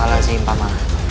setepatlah zain pak man